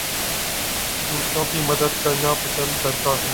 دوسروں کی مدد کرنا پسند کرتا ہوں